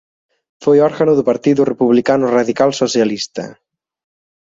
Foi órgano do Partido Republicano Radical Socialista.